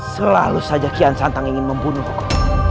selalu saja kian santang ingin membunuhku